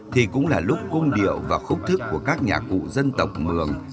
thì cũng là lúc cung điệu và khúc thức của các nhà cụ dân tộc mường